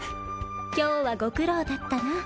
今日はご苦労だったな